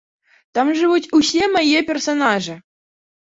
Там жывуць усе мае персанажы.